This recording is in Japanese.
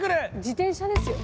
自転車ですよ